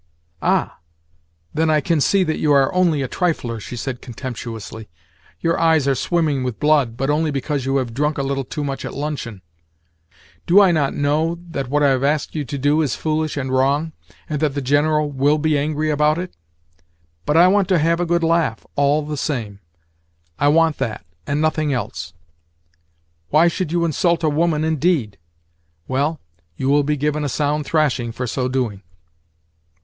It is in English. "Ah! Then I can see that you are only a trifler," she said contemptuously. "Your eyes are swimming with blood—but only because you have drunk a little too much at luncheon. Do I not know that what I have asked you to do is foolish and wrong, and that the General will be angry about it? But I want to have a good laugh, all the same. I want that, and nothing else. Why should you insult a woman, indeed? Well, you will be given a sound thrashing for so doing."